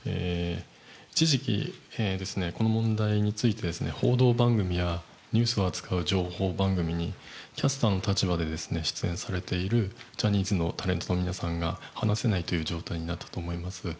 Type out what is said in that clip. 一時期、この問題について報道番組やニュースを扱う情報番組にキャスターの立場で出演されているジャニーズのタレントの皆さんが話せないという状態になったと思います。